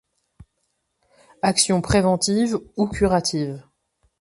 Action préventive ou curative.